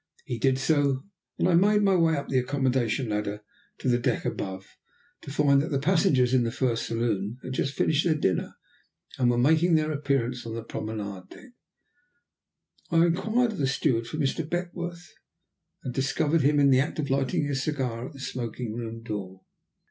He did so, and I made my way up the accommodation ladder to the deck above, to find that the passengers in the first saloon had just finished their dinner, and were making their appearance on the promenade deck. I inquired of the steward for Mr. Beckworth, and discovered him in the act of lighting a cigar at the smoking room door.